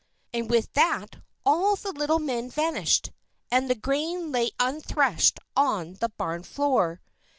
And with that all the little men vanished, and the grain lay unthreshed on the barn floor.